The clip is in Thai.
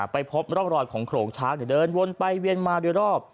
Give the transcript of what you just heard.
ไปพบร่องรอยของโขลงช้างเดินวนไปเวียนมาโดยรอบ